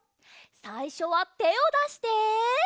さいしょはてをだして。